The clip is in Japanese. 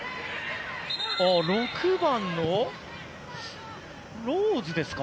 ６番のローズですか。